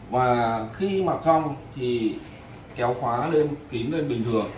và khi mà xong thì kéo khóa lên kín lên bình thường